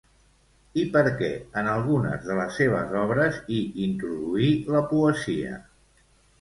I per què en algunes de les seves obres hi introduí la poesia?